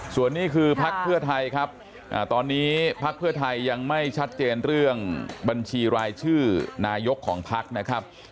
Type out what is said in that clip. ส่วนนี้คือพักเพื่อไทยครับตอนนี้พักเพื่อไทยยังไม่ชัดเจนเรื่องบัญชีรายชื่อนายกของพักนะครับ